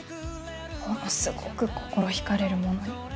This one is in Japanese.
ものすごぐ心引かれるものに。